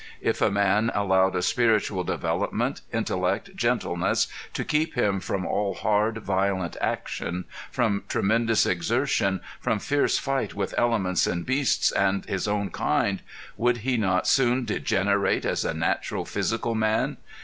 If a man allowed a spiritual development, intellect, gentleness, to keep him from all hard, violent action, from tremendous exertion, from fierce fight with elements and beasts, and his own kind would he not soon degenerate as a natural physical man?